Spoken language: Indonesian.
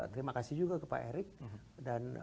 terima kasih juga ke pak erick dan